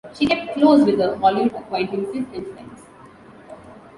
She kept close with her Hollywood acquaintances and friends.